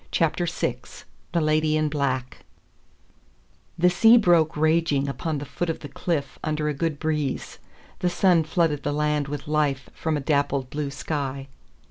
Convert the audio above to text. CHAPTER VI THE LADY IN BLACK The sea broke raging upon the foot of the cliff under a good breeze; the sun flooded the land with life from a dappled blue sky.